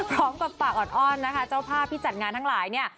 พร้อมกับฝากออดอ้อนนะคะเจ้าภาพที่จัดงานทั้งหลายเนี่ย